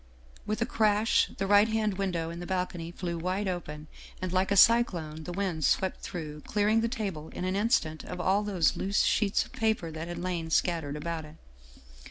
With a crash the right hand window in the balcony flew wide open, and like a cyclone, the wind swept through, clearing the table in an instant of all the loose sheets of paper that had lain scat tered about it.